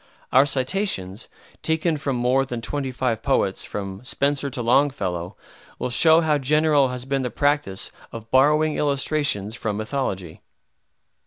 Our citations, taken from more than twenty five poets, from Spenser to Longfellow, will show how general has been the practice of borrowing illustrations from mythology.